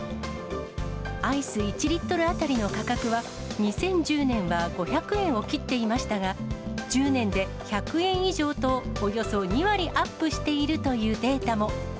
アイス１リットル当たりの価格は、２０１０年は５００円を切っていましたが、１０年で１００円以上と、およそ２割アップしているというデータも。